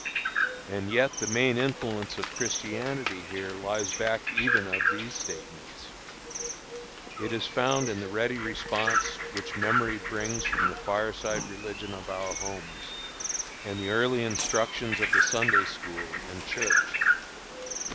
And yet the main influence of Christianity here lies back even of these statements; it is found in the ready response which memory brings from the fireside religion of our homes, and the early instructions of the Sunday school and church.